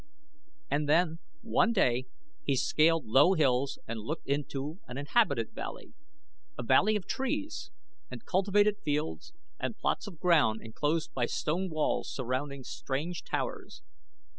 And then, one day, he scaled low hills and looked into an inhabited valley a valley of trees and cultivated fields and plots of ground enclosed by stone walls surrounding strange towers.